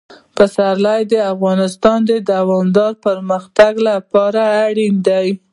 پسرلی د افغانستان د دوامداره پرمختګ لپاره اړین دي.